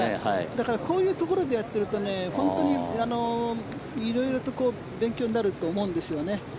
だから、こういうところでやっていると本当に色々と勉強になると思うんです。